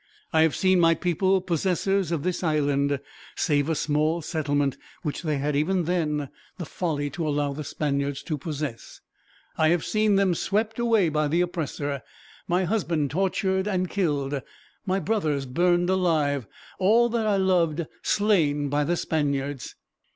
I have seen my people possessors of this island, save a small settlement which they had, even then, the folly to allow the Spaniards to possess. I have seen them swept away by the oppressor, my husband tortured and killed, my brothers burned alive, all that I loved slain by the Spaniards.